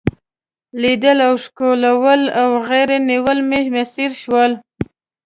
لیدل او ښکلول او غیږ نیول مې میسر شول.